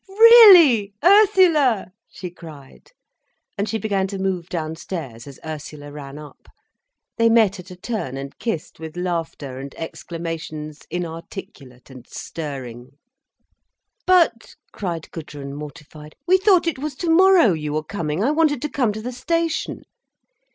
"Really—Ursula!" she cried. And she began to move downstairs as Ursula ran up. They met at a turn and kissed with laughter and exclamations inarticulate and stirring. "But!" cried Gudrun, mortified. "We thought it was tomorrow you were coming! I wanted to come to the station."